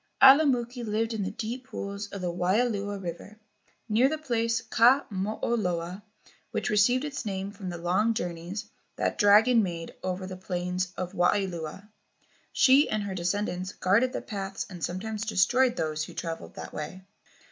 Ala muki lived in the deep pools of the Waialua River near the place Ka mo o loa, which received its name from the long journeys that dragon made over the plains of Waialua. She and her descendants guarded the paths and sometimes destroyed those who travelled that way.